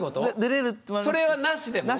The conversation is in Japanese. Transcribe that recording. それはなしでも？